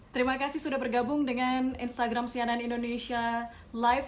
terima kasih sudah bergabung dengan instagram cnn indonesia live